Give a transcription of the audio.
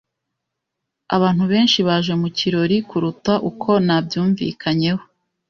Abantu benshi baje mu kirori kuruta uko nabyumvikanyeho.